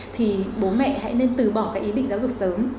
thì bố mẹ hãy nên từ bỏ cái ý định giáo dục sớm